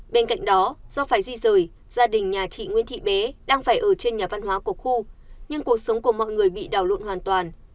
bên cạnh đó do phải di rời gia đình nhà chị nguyễn thị bé đang phải ở trên nhà văn hóa của khu nhưng cuộc sống của mọi người bị đào lộn hoàn toàn